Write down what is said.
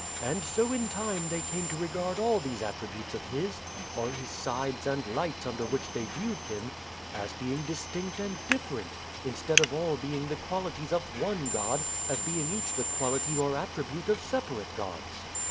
And so in time they came to regard all these attributes of his all his sides and lights under which they viewed him as being distinct and different, and instead of all being the qualities of one God as being each the quality or attribute of separate gods.